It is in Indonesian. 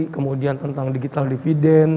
kemudian tentang digital dividend